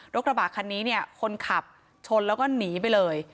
กระบะคันนี้เนี่ยคนขับชนแล้วก็หนีไปเลย